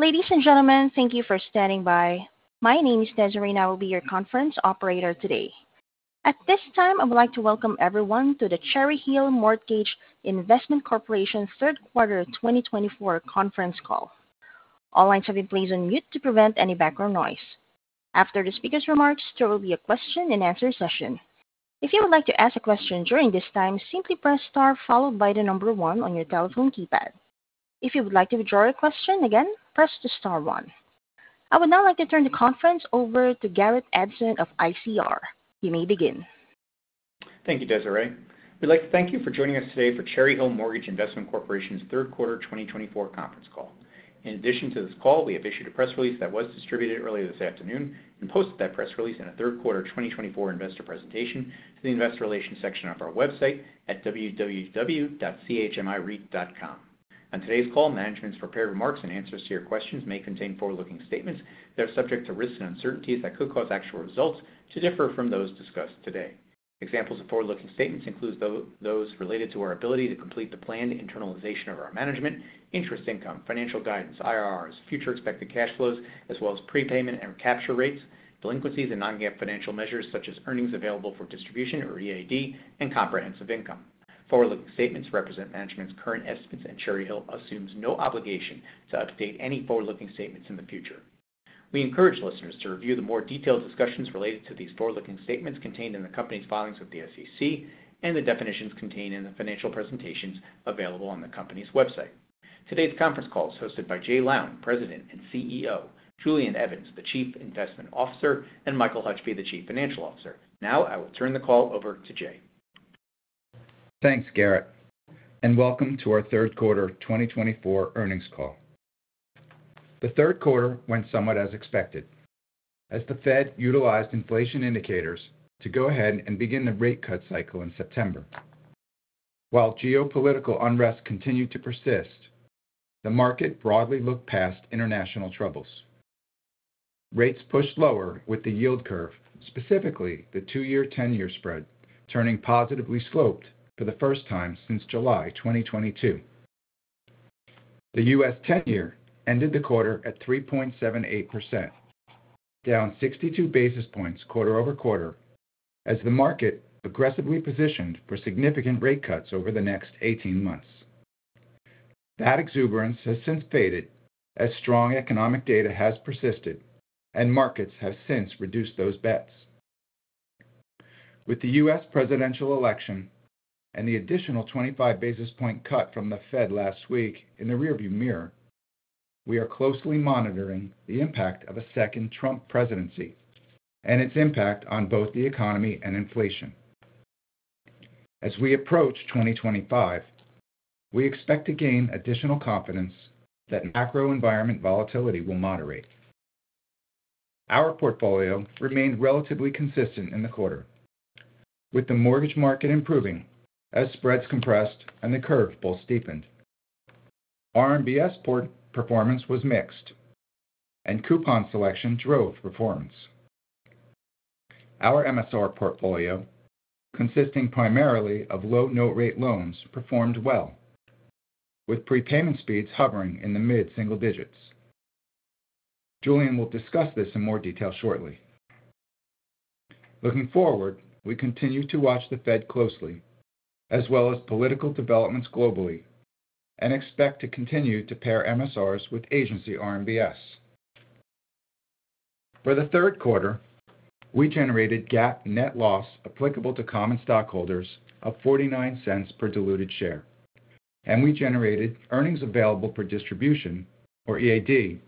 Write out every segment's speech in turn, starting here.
Ladies and gentlemen, thank you for standing by. My name is Desirene. I will be your conference operator today. At this time, I would like to welcome everyone to the Cherry Hill Mortgage Investment Corporation's Third Quarter 2024 Conference Call. All lines have been placed on mute to prevent any background noise. After the speaker's remarks, there will be a question-and-answer session. If you would like to ask a question during this time, simply press star followed by the number one on your telephone keypad. If you would like to withdraw your question again, press the star one. I would now like to turn the conference over to Garrett Edson of ICR. You may begin. Thank you, Desirene. We'd like to thank you for joining us today for Cherry Hill Mortgage Investment Corporation's Third Quarter 2024 Conference Call. In addition to this call, we have issued a press release that was distributed earlier this afternoon and posted that press release in a third quarter 2024 investor presentation to the investor relations section of our website at www.chmireit.com. On today's call, management's prepared remarks and answers to your questions may contain forward-looking statements that are subject to risks and uncertainties that could cause actual results to differ from those discussed today. Examples of forward-looking statements include those related to our ability to complete the planned internalization of our management, interest income, financial guidance, IRRs, future expected cash flows, as well as prepayment and recapture rates, delinquencies, and non-GAAP financial measures such as earnings available for distribution or EAD, and comprehensive income. Forward-looking statements represent management's current estimates, and Cherry Hill assumes no obligation to update any forward-looking statements in the future. We encourage listeners to review the more detailed discussions related to these forward-looking statements contained in the company's filings with the SEC and the definitions contained in the financial presentations available on the company's website. Today's conference call is hosted by Jay Lown, President and CEO, Julian Evans, the Chief Investment Officer, and Michael Hutchby, the Chief Financial Officer. Now, I will turn the call over to Jay. Thanks, Garrett, and welcome to our third quarter 2024 earnings call. The third quarter went somewhat as expected as the Fed utilized inflation indicators to go ahead and begin the rate cut cycle in September. While geopolitical unrest continued to persist, the market broadly looked past international troubles. Rates pushed lower with the yield curve, specifically the two-year/ten-year spread, turning positively sloped for the first time since July 2022. The U.S. ten-year ended the quarter at 3.78%, down 62 basis points quarter over quarter as the market aggressively positioned for significant rate cuts over the next 18 months. That exuberance has since faded as strong economic data has persisted, and markets have since reduced those bets. With the U.S. Presidential election and the additional 25 basis point cut from the Fed last week in the rearview mirror, we are closely monitoring the impact of a second Trump presidency and its impact on both the economy and inflation. As we approach 2025, we expect to gain additional confidence that macro environment volatility will moderate. Our portfolio remained relatively consistent in the quarter, with the mortgage market improving as spreads compressed and the curve both steepened. RMBS performance was mixed, and coupon selection drove performance. Our MSR portfolio, consisting primarily of low note-rate loans, performed well, with prepayment speeds hovering in the mid-single digits. Julian will discuss this in more detail shortly. Looking forward, we continue to watch the Fed closely, as well as political developments globally, and expect to continue to pair MSRs with agency RMBS. For the third quarter, we generated GAAP net loss applicable to common stockholders of $0.49 per diluted share, and we generated earnings available for distribution, or EAD,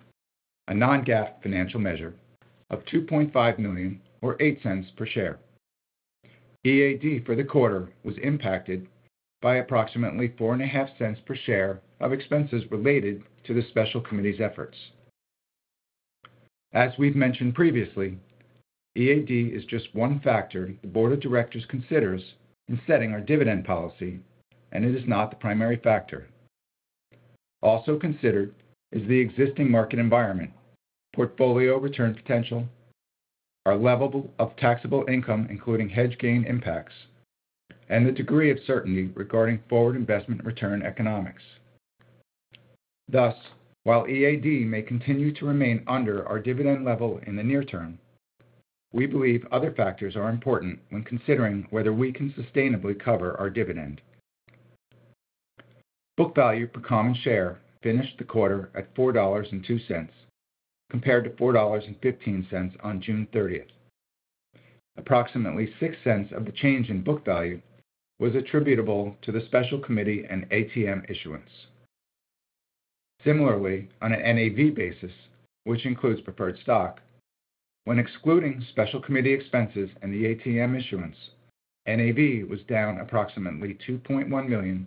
a non-GAAP financial measure, of $2.5 million or $0.08 per share. EAD for the quarter was impacted by approximately $0.045 per share of expenses related to the special committee's efforts. As we've mentioned previously, EAD is just one factor the board of directors considers in setting our dividend policy, and it is not the primary factor. Also considered is the existing market environment, portfolio return potential, our level of taxable income, including hedge gain impacts, and the degree of certainty regarding forward investment return economics. Thus, while EAD may continue to remain under our dividend level in the near term, we believe other factors are important when considering whether we can sustainably cover our dividend. Book value per common share finished the quarter at $4.02, compared to $4.15 on June 30. Approximately $0.06 of the change in book value was attributable to the special committee and ATM issuance. Similarly, on an NAV basis, which includes preferred stock, when excluding special committee expenses and the ATM issuance, NAV was down approximately $2.1 million,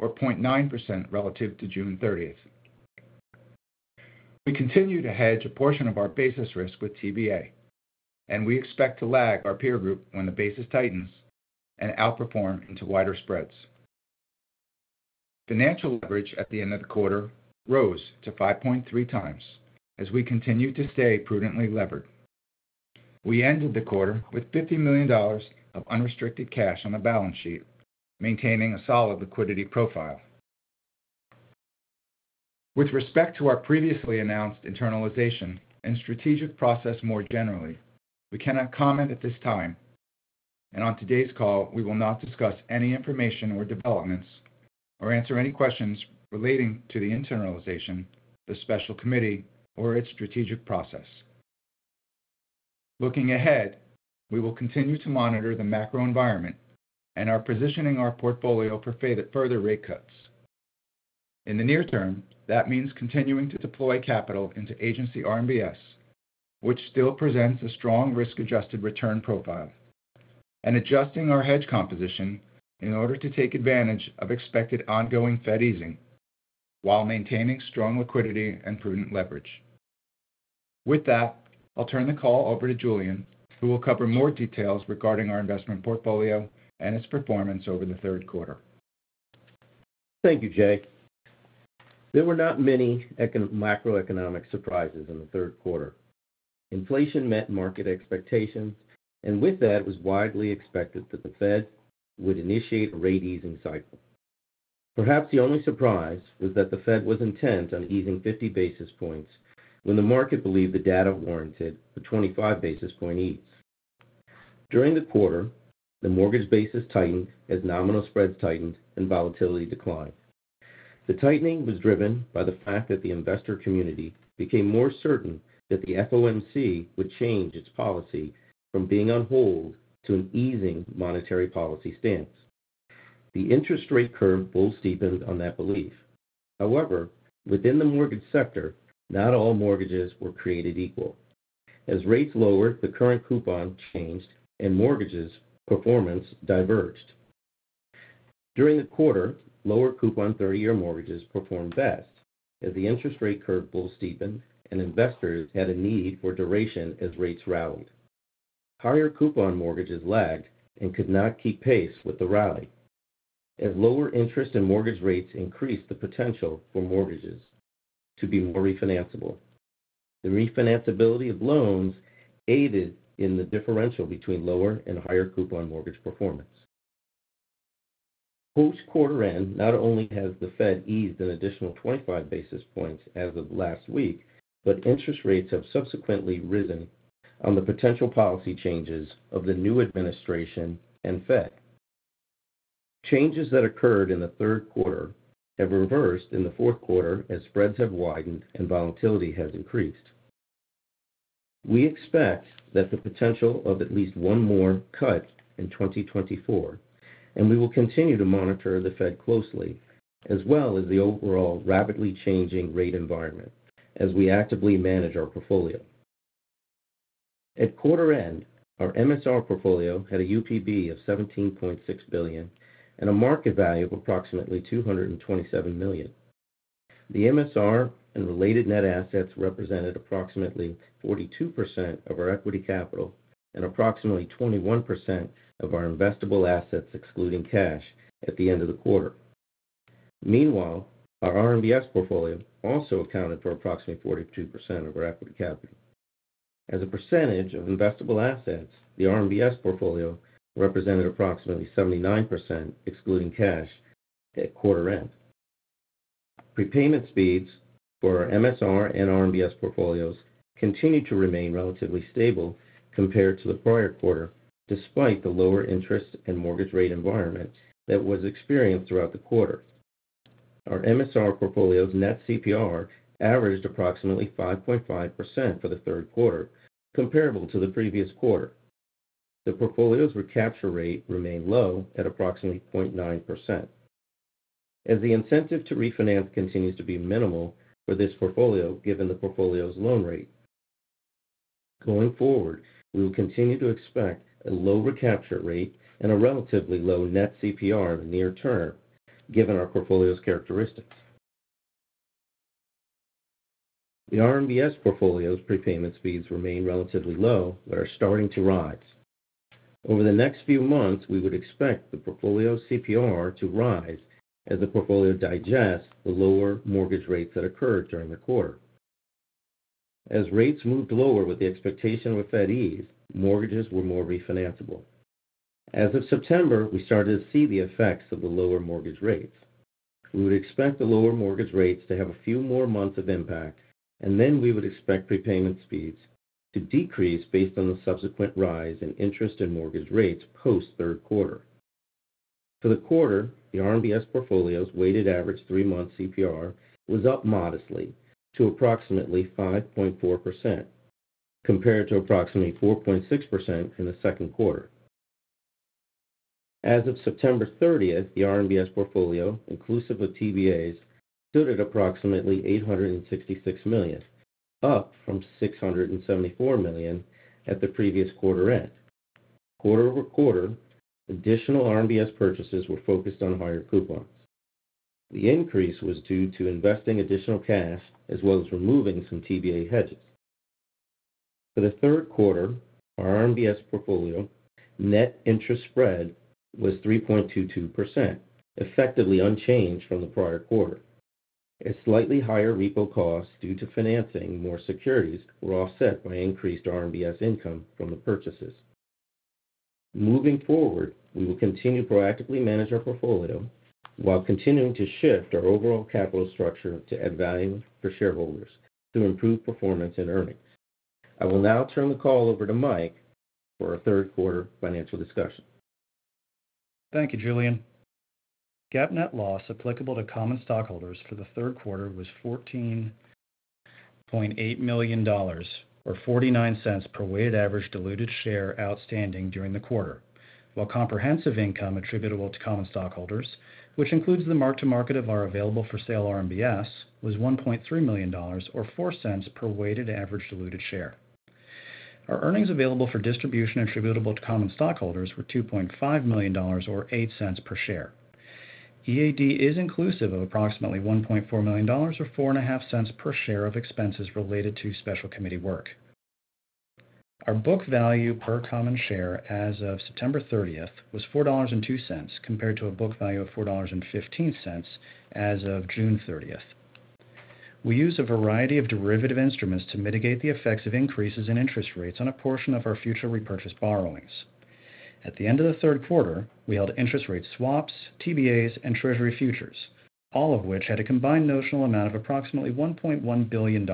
or 0.9% relative to June 30. We continue to hedge a portion of our basis risk with TBA, and we expect to lag our peer group when the basis tightens and outperform into wider spreads. Financial leverage at the end of the quarter rose to 5.3 times as we continue to stay prudently levered. We ended the quarter with $50 million of unrestricted cash on the balance sheet, maintaining a solid liquidity profile. With respect to our previously announced internalization and strategic process more generally, we cannot comment at this time, and on today's call, we will not discuss any information or developments or answer any questions relating to the internalization, the special committee, or its strategic process. Looking ahead, we will continue to monitor the macro environment and are positioning our portfolio for further rate cuts. In the near term, that means continuing to deploy capital into agency RMBS, which still presents a strong risk-adjusted return profile, and adjusting our hedge composition in order to take advantage of expected ongoing Fed easing while maintaining strong liquidity and prudent leverage. With that, I'll turn the call over to Julian, who will cover more details regarding our investment portfolio and its performance over the third quarter. Thank you, Jay. There were not many macroeconomic surprises in the third quarter. Inflation met market expectations, and with that, it was widely expected that the Fed would initiate a rate-easing cycle. Perhaps the only surprise was that the Fed was intent on easing 50 basis points when the market believed the data warranted a 25 basis point ease. During the quarter, the mortgage basis tightened as nominal spreads tightened and volatility declined. The tightening was driven by the fact that the investor community became more certain that the FOMC would change its policy from being on hold to an easing monetary policy stance. The interest rate curve both steepened on that belief. However, within the mortgage sector, not all mortgages were created equal. As rates lowered, the current coupon changed, and mortgages' performance diverged. During the quarter, lower coupon 30-year mortgages performed best as the interest rate curve both steepened and investors had a need for duration as rates rallied. Higher coupon mortgages lagged and could not keep pace with the rally, as lower interest and mortgage rates increased the potential for mortgages to be more refinanceable. The refinance ability of loans aided in the differential between lower and higher coupon mortgage performance. Post-quarter-end, not only has the Fed eased an additional 25 basis points as of last week, but interest rates have subsequently risen on the potential policy changes of the new administration and Fed. Changes that occurred in the third quarter have reversed in the fourth quarter as spreads have widened and volatility has increased. We expect that the potential of at least one more cut in 2024, and we will continue to monitor the Fed closely, as well as the overall rapidly changing rate environment, as we actively manage our portfolio. At quarter-end, our MSR portfolio had a UPB of $17.6 billion and a market value of approximately $227 million. The MSR and related net assets represented approximately 42% of our equity capital and approximately 21% of our investable assets, excluding cash, at the end of the quarter. Meanwhile, our RMBS portfolio also accounted for approximately 42% of our equity capital. As a percentage of investable assets, the RMBS portfolio represented approximately 79%, excluding cash, at quarter-end. Prepayment speeds for our MSR and RMBS portfolios continued to remain relatively stable compared to the prior quarter, despite the lower interest and mortgage rate environment that was experienced throughout the quarter. Our MSR portfolio's net CPR averaged approximately 5.5% for the third quarter, comparable to the previous quarter. The portfolio's recapture rate remained low at approximately 0.9%, as the incentive to refinance continues to be minimal for this portfolio, given the portfolio's loan rate. Going forward, we will continue to expect a low recapture rate and a relatively low net CPR in the near term, given our portfolio's characteristics. The RMBS portfolio's prepayment speeds remain relatively low, but are starting to rise. Over the next few months, we would expect the portfolio's CPR to rise as the portfolio digests the lower mortgage rates that occurred during the quarter. As rates moved lower with the expectation of a Fed ease, mortgages were more refinanceable. As of September, we started to see the effects of the lower mortgage rates. We would expect the lower mortgage rates to have a few more months of impact, and then we would expect prepayment speeds to decrease based on the subsequent rise in interest and mortgage rates post-third quarter. For the quarter, the RMBS portfolio's weighted average three-month CPR was up modestly to approximately 5.4%, compared to approximately 4.6% in the second quarter. As of September 30, the RMBS portfolio, inclusive of TBAs, stood at approximately $866 million, up from $674 million at the previous quarter-end. Quarter over quarter, additional RMBS purchases were focused on higher coupons. The increase was due to investing additional cash as well as removing some TBA hedging. For the third quarter, our RMBS portfolio net interest spread was 3.22%, effectively unchanged from the prior quarter. A slightly higher repo cost due to financing more securities were offset by increased RMBS income from the purchases. Moving forward, we will continue proactively managing our portfolio while continuing to shift our overall capital structure to add value for shareholders to improve performance and earnings. I will now turn the call over to Mike for our third quarter financial discussion. Thank you, Julian. GAAP net loss applicable to common stockholders for the third quarter was $14.8 million, or $0.49 per weighted average diluted share outstanding during the quarter, while comprehensive income attributable to common stockholders, which includes the mark-to-market of our available-for-sale RMBS, was $1.3 million, or $0.04 per weighted average diluted share. Our earnings available for distribution attributable to common stockholders were $2.5 million, or $0.08 per share. EAD is inclusive of approximately $1.4 million, or $0.045 per share of expenses related to special committee work. Our book value per common share as of September 30 was $4.02, compared to a book value of $4.15 as of June 30. We use a variety of derivative instruments to mitigate the effects of increases in interest rates on a portion of our future repurchase borrowings. At the end of the third quarter, we held interest rate swaps, TBAs, and treasury futures, all of which had a combined notional amount of approximately $1.1 billion.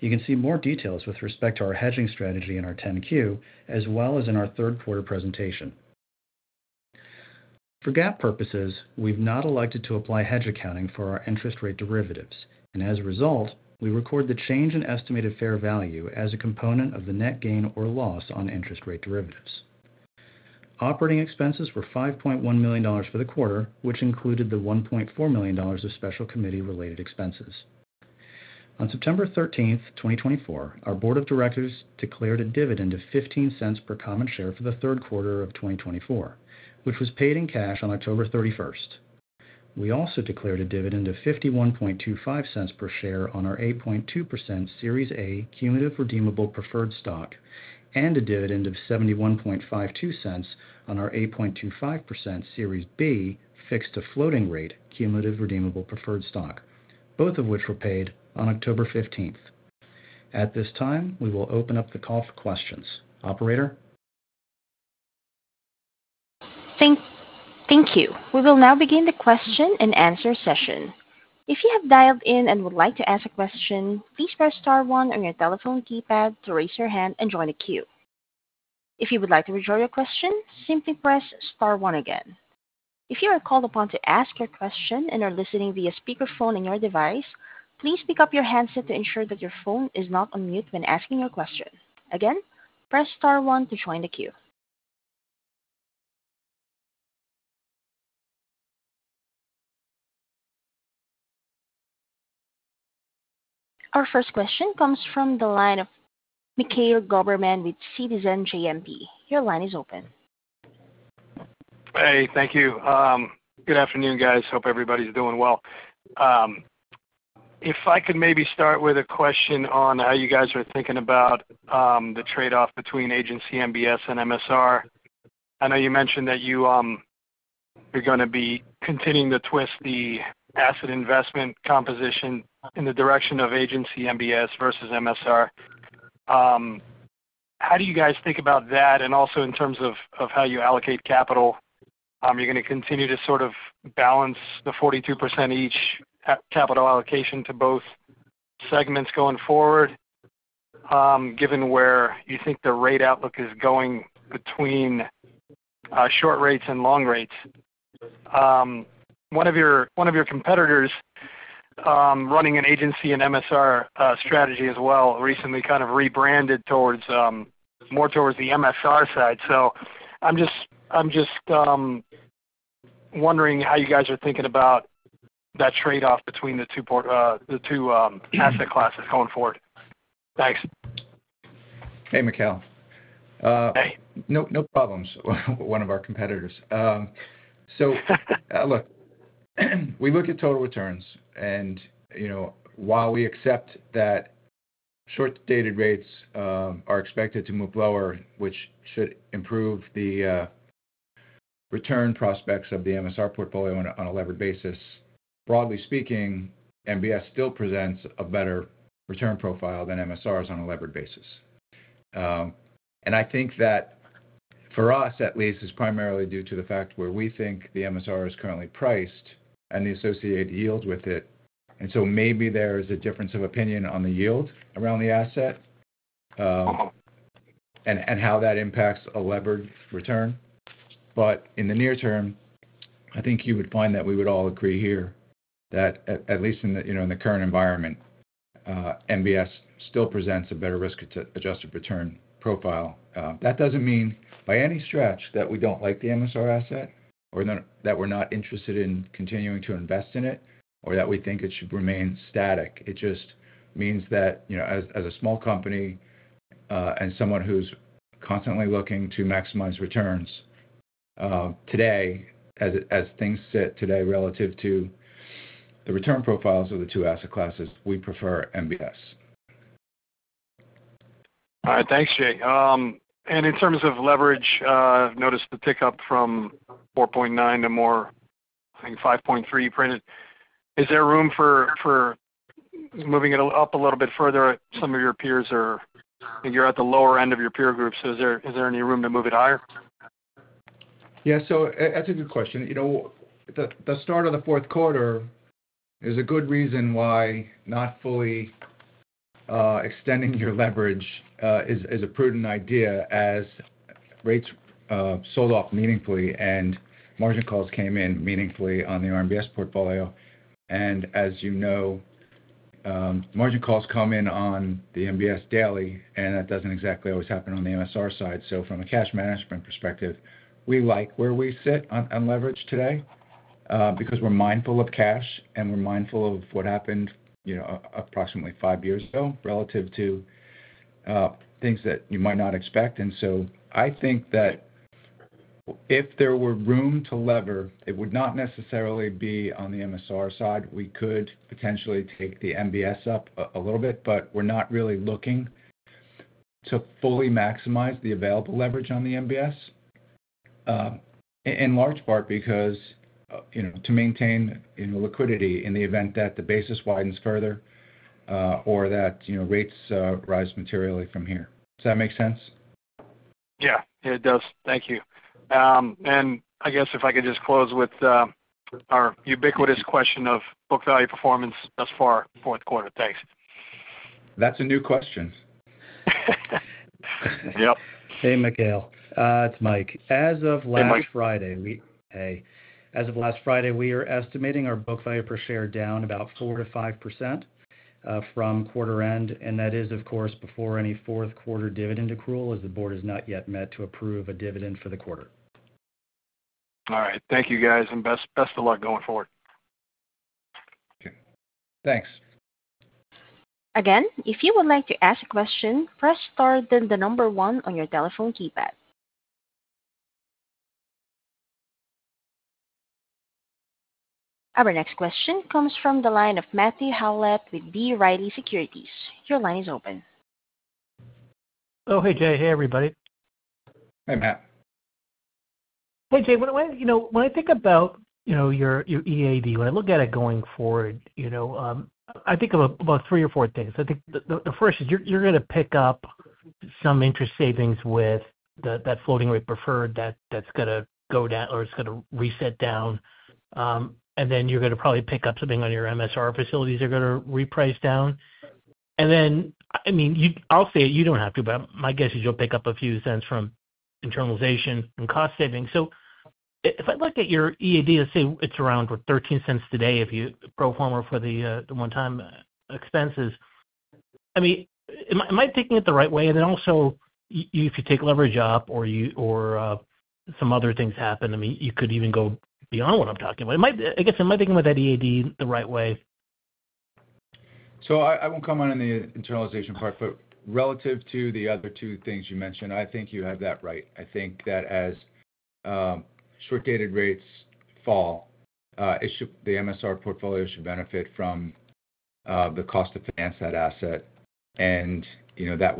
You can see more details with respect to our hedging strategy in our 10-Q, as well as in our third quarter presentation. For GAAP purposes, we've not elected to apply hedge accounting for our interest rate derivatives, and as a result, we record the change in estimated fair value as a component of the net gain or loss on interest rate derivatives. Operating expenses were $5.1 million for the quarter, which included the $1.4 million of special committee-related expenses. On September 13, 2024, our board of directors declared a dividend of $0.15 per common share for the third quarter of 2024, which was paid in cash on October 31. We also declared a dividend of $0.5125 per share on our 8.20% Series A Cumulative Redeemable Preferred Stock and a dividend of $0.7152 on our 8.25% Series B Fixed-to-Floating Rate Cumulative Redeemable Preferred Stock, both of which were paid on October 15. At this time, we will open up the call for questions. Operator. Thank you. We will now begin the question and answer session. If you have dialed in and would like to ask a question, please press star one on your telephone keypad to raise your hand and join the queue. If you would like to withdraw your question, simply press star one again. If you are called upon to ask your question and are listening via speakerphone on your device, please pick up your handset to ensure that your phone is not on mute when asking your question. Again, press star one to join the queue. Our first question comes from the line of Mikhail Goberman with Citizens JMP. Your line is open. Hey, thank you. Good afternoon, guys. Hope everybody's doing well. If I could maybe start with a question on how you guys are thinking about the trade-off between agency MBS and MSR. I know you mentioned that you're going to be continuing to twist the asset investment composition in the direction of agency MBS versus MSR. How do you guys think about that? And also, in terms of how you allocate capital, you're going to continue to sort of balance the 42% each capital allocation to both segments going forward, given where you think the rate outlook is going between short rates and long rates? One of your competitors running an agency and MSR strategy as well recently kind of rebranded more towards the MSR side. So I'm just wondering how you guys are thinking about that trade-off between the two asset classes going forward. Thanks. Hey, Mikhail. Hey. No problems. One of our competitors. So look, we look at total returns. And while we accept that short-dated rates are expected to move lower, which should improve the return prospects of the MSR portfolio on a levered basis, broadly speaking, MBS still presents a better return profile than MSRs on a levered basis. And I think that, for us at least, is primarily due to the fact where we think the MSR is currently priced and the associated yield with it. And so maybe there is a difference of opinion on the yield around the asset and how that impacts a levered return. But in the near term, I think you would find that we would all agree here that, at least in the current environment, MBS still presents a better risk-adjusted return profile. That doesn't mean by any stretch that we don't like the MSR asset or that we're not interested in continuing to invest in it or that we think it should remain static. It just means that, as a small company and someone who's constantly looking to maximize returns, today, as things sit today relative to the return profiles of the two asset classes, we prefer MBS. All right. Thanks, Jay. And in terms of leverage, I've noticed the pickup from 4.9 to more, I think, 5.3 you printed. Is there room for moving it up a little bit further? Some of your peers, you're at the lower end of your peer group, so is there any room to move it higher? Yeah. So that's a good question. The start of the fourth quarter is a good reason why not fully extending your leverage is a prudent idea, as rates sold off meaningfully and margin calls came in meaningfully on the RMBS portfolio. And as you know, margin calls come in on the MBS daily, and that doesn't exactly always happen on the MSR side. So from a cash management perspective, we like where we sit on leverage today because we're mindful of cash, and we're mindful of what happened approximately five years ago relative to things that you might not expect. And so I think that if there were room to lever, it would not necessarily be on the MSR side. We could potentially take the MBS up a little bit, but we're not really looking to fully maximize the available leverage on the MBS, in large part because to maintain liquidity in the event that the basis widens further or that rates rise materially from here. Does that make sense? Yeah, it does. Thank you, and I guess if I could just close with our ubiquitous question of book value performance thus far, fourth quarter? Thanks. That's a new question. Yep. Hey, Mikhail. It's Mike. Hey, Mike. As of last Friday, we are estimating our BookValue Per Share down about 4%-5% from quarter-end. And that is, of course, before any fourth quarter dividend accrual as the board has not yet met to approve a dividend for the quarter. All right. Thank you, guys, and best of luck going forward. Thanks. Again, if you would like to ask a question, press star then the number one on your telephone keypad. Our next question comes from the line of Matthew Howlett with B. Riley Securities. Your line is open. Oh, hey, Jay. Hey, everybody. Hey, Matt. Hey, Jay. When I think about your EAD, when I look at it going forward, I think of about three or four things. I think the first is you're going to pick up some interest savings with that floating rate preferred that's going to go down or it's going to reset down. And then you're going to probably pick up something on your MSR facilities that are going to reprice down. And then, I mean, I'll say it. You don't have to, but my guess is you'll pick up a few cents from internalization and cost savings. So if I look at your EAD, let's say it's around $0.13 today if you pro forma for the one-time expenses. I mean, am I taking it the right way? And then also, if you take leverage up or some other things happen, I mean, you could even go beyond what I'm talking about. I guess, am I thinking about that EAD the right way? So I won't comment on the internalization part, but relative to the other two things you mentioned, I think you have that right. I think that as short-dated rates fall, the MSR portfolio should benefit from the cost to finance that asset. And that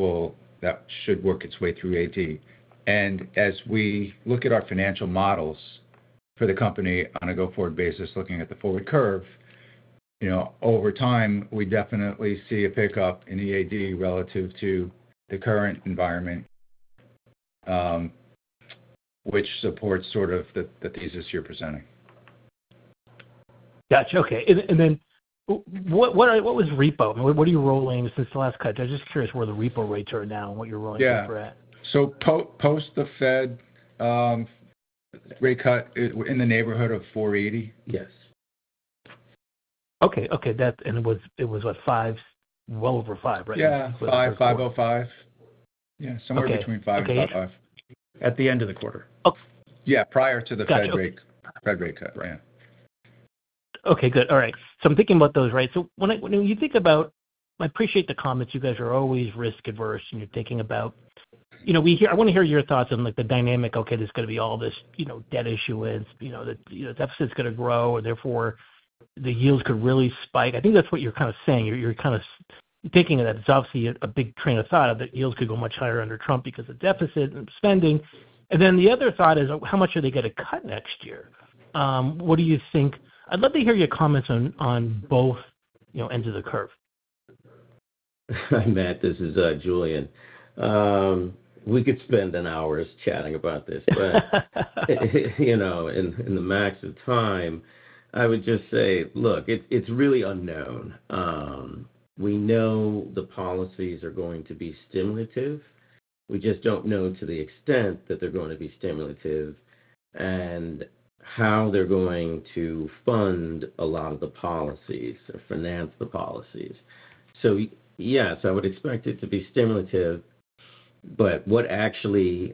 should work its way through EAD. And as we look at our financial models for the company on a go-forward basis, looking at the forward curve, over time, we definitely see a pickup in EAD relative to the current environment, which supports sort of the thesis you're presenting. Gotcha. Okay. And then what was repo? What are you rolling since the last cut? I'm just curious where the repo rates are now and what you're rolling over at. Yeah. So post the Fed rate cut, we're in the neighborhood of 4.80. Yes. Okay. Okay. And it was, what, five well over five, right? Yeah. 5.05. Yeah. Somewhere between 5 and 5. At the end of the quarter. Yeah. Prior to the Fed rate cut. Fed rate cut. Yeah. Okay. Good. All right. So I'm thinking about those, right? So when you think about, I appreciate the comments. You guys are always risk-averse, and you're thinking about. I want to hear your thoughts on the dynamic, "Okay, there's going to be all this debt issuance. The deficit's going to grow, and therefore, the yields could really spike." I think that's what you're kind of saying. You're kind of thinking of that. It's obviously a big train of thought that yields could go much higher under Trump because of deficit and spending. And then the other thought is, how much are they going to cut next year? What do you think? I'd love to hear your comments on both ends of the curve. Hi, Matt. This is Julian. We could spend an hour chatting about this, but in the interest of time, I would just say, look, it's really unknown. We know the policies are going to be stimulative. We just don't know to the extent that they're going to be stimulative and how they're going to fund a lot of the policies or finance the policies. So yes, I would expect it to be stimulative, but what actual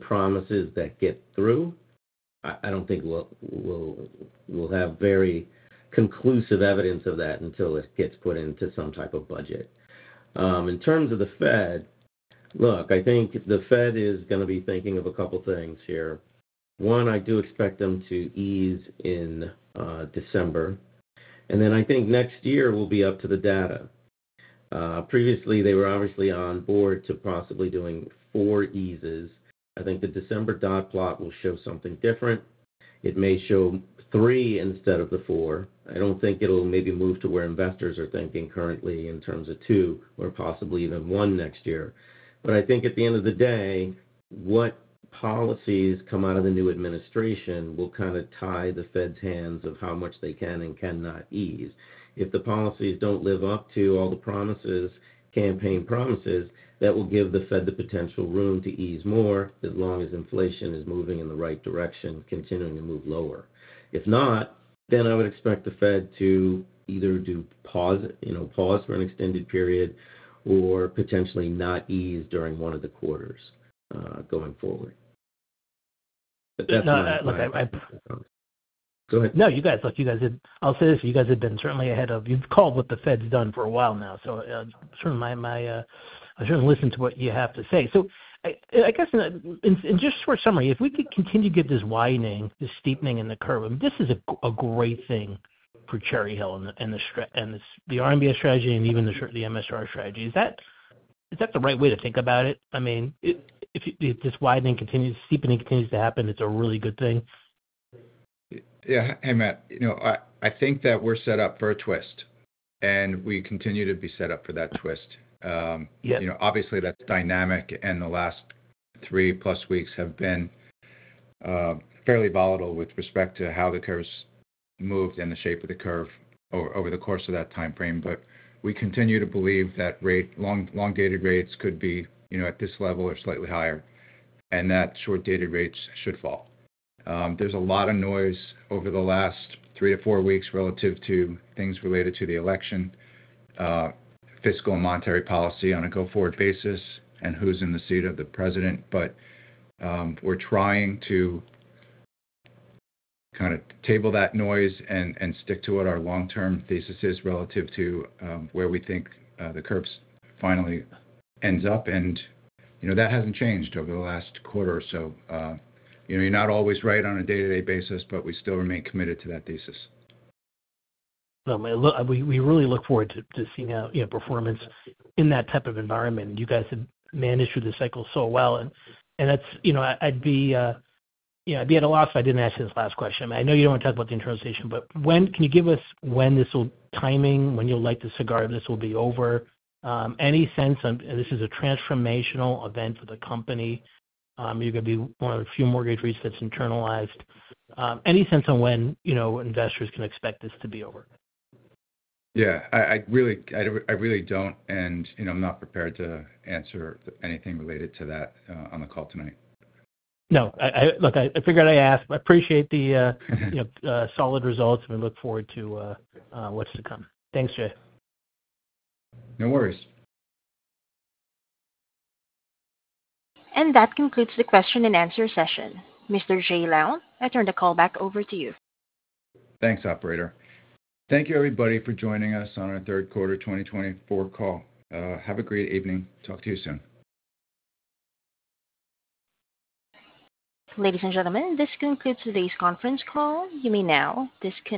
promises get through, I don't think we'll have very conclusive evidence of that until it gets put into some type of budget. In terms of the Fed, look, I think the Fed is going to be thinking of a couple of things here. One, I do expect them to ease in December. And then I think next year will be up to the data. Previously, they were obviously on board to possibly doing four eases. I think the December dot plot will show something different. It may show three instead of the four. I don't think it'll maybe move to where investors are thinking currently in terms of two or possibly even one next year. But I think at the end of the day, what policies come out of the new administration will kind of tie the Fed's hands of how much they can and cannot ease. If the policies don't live up to all the campaign promises, that will give the Fed the potential room to ease more as long as inflation is moving in the right direction, continuing to move lower. If not, then I would expect the Fed to either pause for an extended period or potentially not ease during one of the quarters going forward. But that's my assumption. No, look, I'm. Go ahead. No, you guys. Look, you guys have—I'll say this. You guys have been certainly ahead of the curve. You've called what the Fed's done for a while now. So I certainly listen to what you have to say. So I guess in just short summary, if we could continue to get this widening, this steepening in the curve, this is a great thing for Cherry Hill and the RMBS strategy and even the MSR strategy. Is that the right way to think about it? I mean, if this widening continues, steepening continues to happen, it's a really good thing. Yeah. Hey, Matt. I think that we're set up for a twist, and we continue to be set up for that twist. Obviously, that's dynamic, and the last three-plus weeks have been fairly volatile with respect to how the curve's moved and the shape of the curve over the course of that time frame. But we continue to believe that long-dated rates could be at this level or slightly higher, and that short-dated rates should fall. There's a lot of noise over the last three to four weeks relative to things related to the election, fiscal and monetary policy on a go-forward basis, and who's in the seat of the president. But we're trying to kind of table that noise and stick to what our long-term thesis is relative to where we think the curve finally ends up. And that hasn't changed over the last quarter or so. You're not always right on a day-to-day basis, but we still remain committed to that thesis. Well, we really look forward to seeing performance in that type of environment. You guys have managed through the cycle so well. And I'd be at a loss if I didn't ask you this last question. I mean, I know you don't want to talk about the internalization, but can you give us the timing, when this will, when you'll light the cigar, this will be over? Any sense on this? This is a transformational event for the company. You're going to be one of the few mortgage REITs that's internalized. Any sense on when investors can expect this to be over? Yeah. I really don't, and I'm not prepared to answer anything related to that on the call tonight. No. Look, I figured I'd ask. I appreciate the solid results, and we look forward to what's to come. Thanks, Jay. No worries. That concludes the question-and-answer session. Mr. Jay Lown, I turn the call back over to you. Thanks, operator. Thank you, everybody, for joining us on our third quarter 2024 call. Have a great evening. Talk to you soon. Ladies and gentlemen, this concludes today's conference call. You may now disconnect.